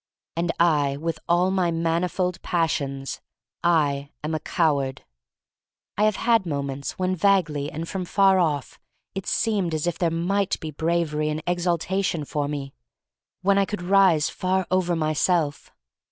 And I — with all my manifold pas sions — I am a coward. I have had moments when, vaguely and from far off, it seemed as if there might be bravery and exaltation for me, — when I could rise far over myself.